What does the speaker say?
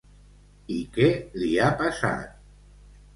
I què li ha passat?